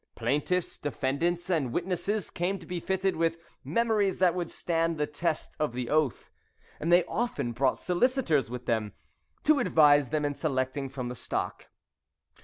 Plaintiffs, defendants, and witnesses came to be fitted with memories that would stand the test of the oath, and they often brought solicitors with them to advise them in selecting from the stock.